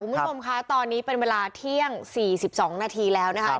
คุณผู้ชมคะตอนนี้เป็นเวลาเที่ยง๔๒นาทีแล้วนะคะ